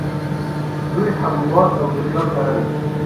دوی حبوبات او لوبیا کرل